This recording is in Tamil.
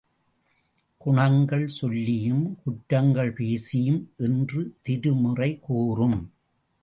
குணங்கள் சொல்லியும் குற்றங்கள் பேசியும் என்று திருமுறை கூறும்.